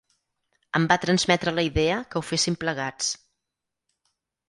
Em va transmetre la idea que ho féssim plegats.